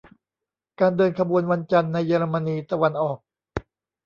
การเดินขบวนวันจันทร์ในเยอรมนีตะวันออก